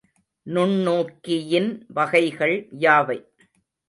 நுண்ணோக்கியின் வகைகள் யாவை?